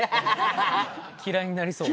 嫌いになりそう。